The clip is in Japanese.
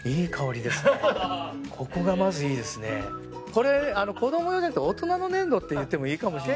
これ、子ども用じゃなくて大人の粘土って言ってもいいかもしれない。